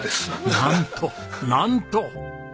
なんとなんと！